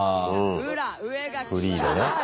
フリーのね。